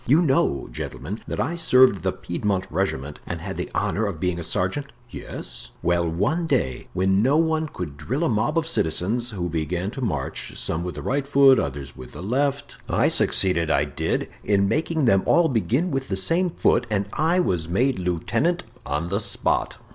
You know, gentlemen, that I served the Piedmont regiment and had the honor of being a sergeant?" "Yes." "Well, one day when no one could drill a mob of citizens, who began to march, some with the right foot, others with the left, I succeeded, I did, in making them all begin with the same foot, and I was made lieutenant on the spot."